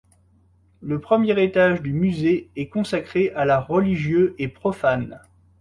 Le premier étage du musée est consacré à l'art religieux et profane.